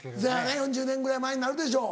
４０年ぐらい前になるでしょう。